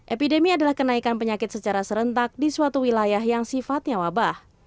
epidemi adalah kenaikan penyakit secara serentak di suatu wilayah yang sifatnya wabah